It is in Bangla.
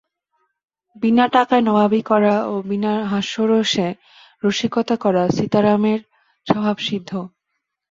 বিনা টাকায় নবাবি করা ও বিনা হাস্যরসে রসিকতা করা সীতারামের স্বভাবসিদ্ধ।